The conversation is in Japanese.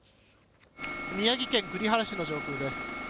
宮城県栗原市の上空です。